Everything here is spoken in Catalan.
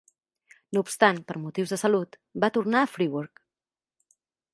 No obstant, per motius de salut, va tornar a Friburg.